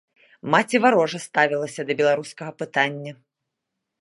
Маці варожа ставілася да беларускага пытання.